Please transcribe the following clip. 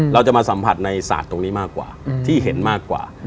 เราจะมาสัมผัสในศาสตร์ตรงนี้มากกว่าที่เห็นมากกว่า